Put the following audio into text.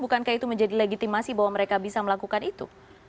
bukankah itu menjadi legitimasi bahwa mereka bisa melakukan itu